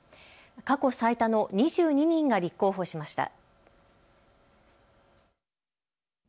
過去最多の２２人が立候補しました。